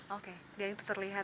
oke jadi itu terlihat